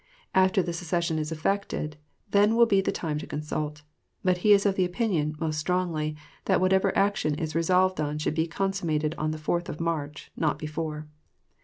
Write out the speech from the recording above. After the secession is effected, then will be the time to consult. But he is of opinion, most strongly, that whatever action is resolved on should be consummated on the 4th of March, not before.